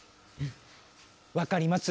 わかります。